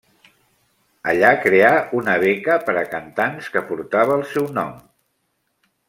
Allà creà una beca per a cantants que portava el seu nom.